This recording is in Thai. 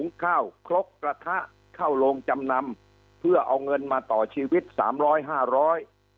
ข้าวครกกระทะเข้าโรงจำนำเพื่อเอาเงินมาต่อชีวิตสามร้อยห้าร้อย